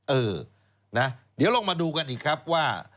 เออนะเดี๋ยวลองมาดูกันอีกครับว่า